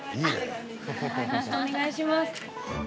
よろしくお願いします。